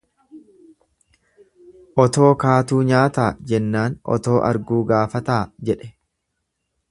Otoo kaatuu nyaataa jennaan otoo arguu gaafataa jedhe.